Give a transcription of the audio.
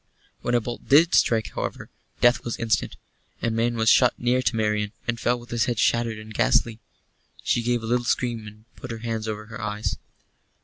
When a bolt did strike, however, death was instant. A man was shot near to Marian, and fell with his head shattered and ghastly. She gave a little scream, and put her hands over her eyes.